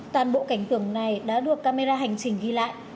toàn bộ cảnh tưởng này đã được camera hành trình ghi lại